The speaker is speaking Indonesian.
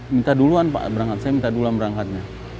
minta duluan pak berangkat saya minta duluan berangkatnya